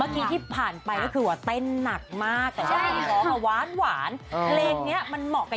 คี่ที่ผ่านที่มาให้เด็นนักค่ะ